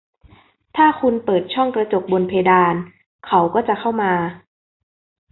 ถ้าคุณเปิดช่องกระจกบนเพดาน เขาก็จะเข้ามา